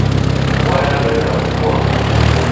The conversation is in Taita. Vua yawereda kupoa.